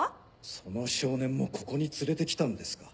その少年もここに連れてきたんですか？